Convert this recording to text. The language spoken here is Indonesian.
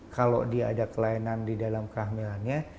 kalau dia ada kelainan di dalam kehamilannya